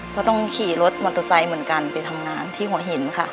ก็ต้องขี่รถมอเตอร์ไซค์เหมือนกันไปทำงานที่หัวหินค่ะ